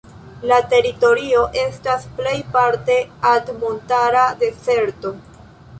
La teritorio estas plejparte altmontara dezerto.